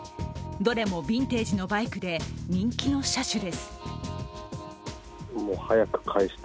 どれもヴィンテージのバイクで人気の車種です。